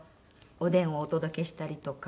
おでんをお届けしたりとか。